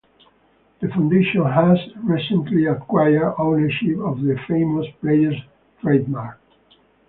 The Foundation has recently acquired ownership of the Famous Players Trademark.